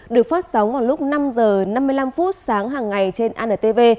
được phát sóng vào lúc năm h năm mươi năm sáng hàng ngày trên antv